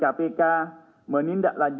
dan yang telah diperlukan oleh bknri